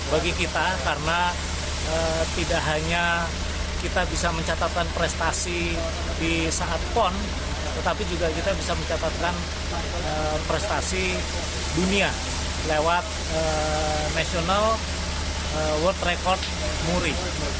bagi kita karena tidak hanya kita bisa mencatatkan prestasi di saat pon tetapi juga kita bisa mencatatkan prestasi dunia lewat national world record muri